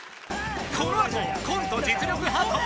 このあとコント実力派登場！